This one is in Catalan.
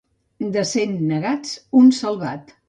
De cent negats, un salvat.